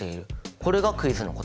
これがクイズの答え？